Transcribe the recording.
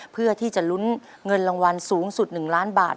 เพื่อที่จะลุ้นเงินรางวัลสูงสุด๑ล้านบาท